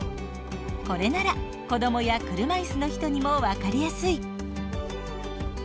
これなら子どもや車いすの人にも分かりやすい。